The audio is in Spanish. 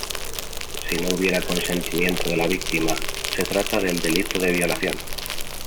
Si no hubiera consentimiento de la víctima, se trata del delito de violación.